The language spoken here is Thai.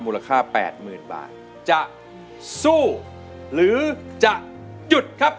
มูลค่าแปดหมื่นบาทจะสู้หรือจะหยุดครับ